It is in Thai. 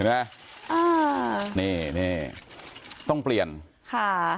เห็นไหมอ่านี่นี่ต้องเปลี่ยนค่ะ